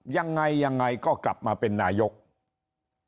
ยังไงก็กลับมาเป็นนายกรัฐมนตรี